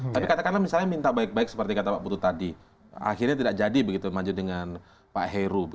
tapi katakanlah misalnya minta baik baik pak heru